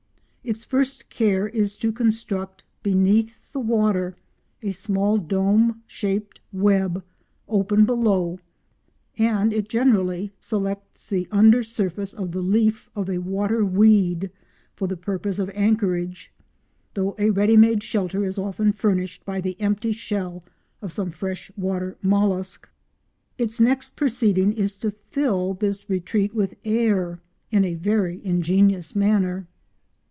Its first care is to construct beneath the water a small dome shaped web, open below, and it generally selects the under surface of the leaf of a water weed for the purpose of anchorage, though a ready made shelter is often furnished by the empty shell of some fresh water mollusc. Its next proceeding is to fill this retreat with air in a very ingenious manner.